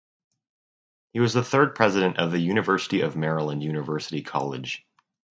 He was the third president of University of Maryland University College.